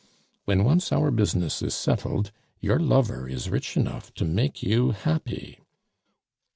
When once our business is settled, your lover is rich enough to make you happy."